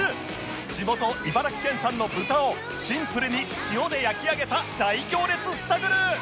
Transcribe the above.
地元茨城県産の豚をシンプルに塩で焼き上げた大行列スタグル